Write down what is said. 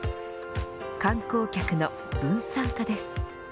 観光客の分散化です。